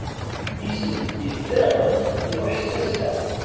Izem yedderɣel, iṛuḥ s tazla.